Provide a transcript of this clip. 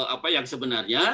apa yang sebenarnya